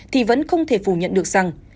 thì vẫn không thể phủ nhận được rằng